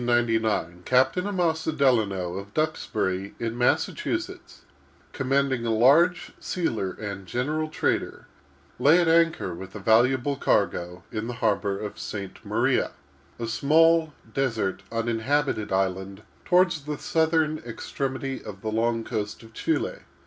In the year 1799, Captain Amasa Delano, of Duxbury, in Massachusetts, commanding a large sealer and general trader, lay at anchor with a valuable cargo, in the harbor of St. Maria—a small, desert, uninhabited island toward the southern extremity of the long coast of Chili.